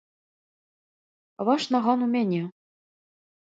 Ваш наган у мяне!